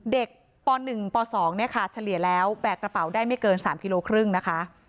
ป๑ป๒เนี่ยค่ะเฉลี่ยแล้วแบกกระเป๋าได้ไม่เกิน๓กิโลครึ่งนะคะ